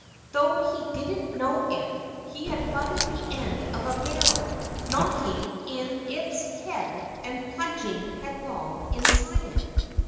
Though he didn't know it, he had butted the end of a barrel, knocking in its head and plunging headlong inside it.